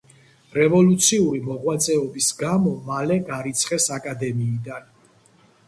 რევოლუციური მოღვაწეობის გამო მალე გარიცხეს აკადემიიდან.